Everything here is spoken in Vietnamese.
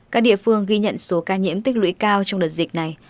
các địa phương ghi nhận số ca nhiễm tích lũy cao trong đợt dịch này